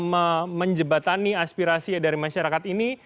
menjebatani aspirasi dari masyarakat ini